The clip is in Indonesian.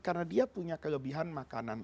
karena dia punya kelebihan makanan